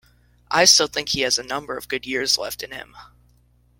I still think he has a number of good years left in him.